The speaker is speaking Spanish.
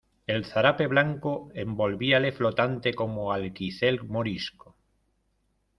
el zarape blanco envolvíale flotante como alquicel morisco.